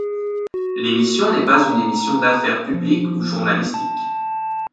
L'émission n'est pas une émission d'affaires publiques ou journalistique.